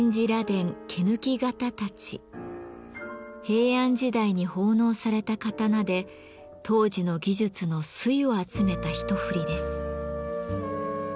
平安時代に奉納された刀で当時の技術の粋を集めた一振りです。